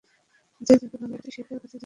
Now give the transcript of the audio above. যে যাকে ভালবাসে সে তার কাছে যেতে পারে।